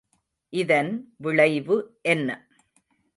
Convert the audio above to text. இதன் விளைவு என்ன?